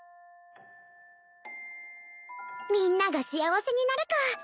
みんなが幸せになるかあ